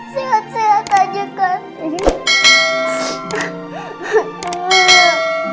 sehat sehat aja kan